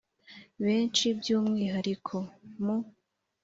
benshi by umwihariko mu